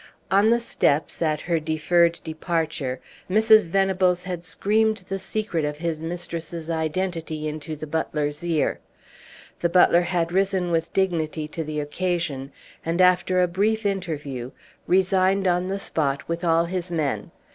On the steps, at her deferred departure, Mrs. Venables had screamed the secret of his mistress's identity into the butler's ear. The butler had risen with dignity to the occasion, and, after a brief interview, resigned on the spot with all his men.